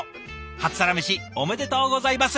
初サラメシおめでとうございます！